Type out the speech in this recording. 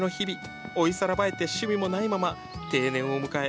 老いさらばえて趣味もないまま定年を迎え